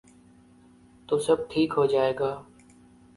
تو سب ٹھیک ہو جائے گا۔